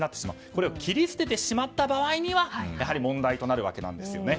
これを切り捨ててしまった場合にやはり問題となるんですね。